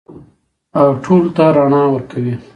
او ټولو ته رڼا ورکوي.